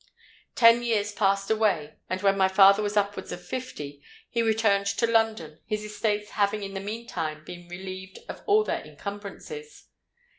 Ten years passed away: and when my father was upwards of fifty, he returned to London, his estates having in the meantime been relieved of all their incumbrances.